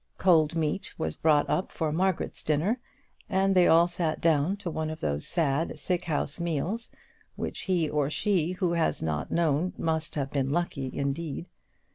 Cold meat was brought up for Margaret's dinner, and they all sat down to one of those sad sick house meals which he or she who has not known must have been lucky indeed.